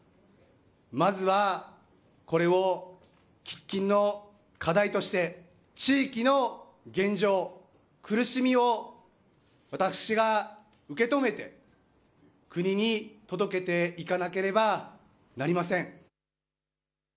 まずはこれを喫緊の課題として地域の現状、苦しみを私が受け止めて国に届けていかなければなりません。